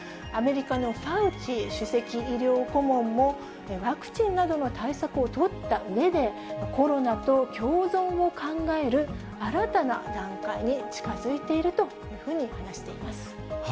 アメリカのファウチ首席医療顧問も、ワクチンなどの対策を取ったうえで、コロナと共存を考える新たな段階に近づいているというふうに話しています。